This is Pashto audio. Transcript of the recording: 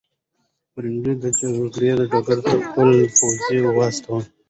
پرنګیان د جګړې ډګر ته خپل پوځونه واستول.